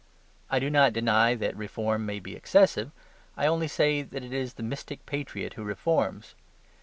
I do not deny that reform may be excessive; I only say that it is the mystic patriot who reforms.